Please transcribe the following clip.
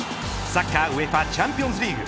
サッカーＵＥＦＡチャンピオンズリーグ